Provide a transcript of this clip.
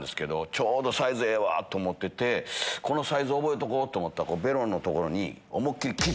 ちょうどサイズええわと思っててこのサイズ覚えとこうと思ったらベロの所に。